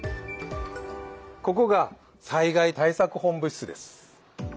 ここが災害対策本部室です。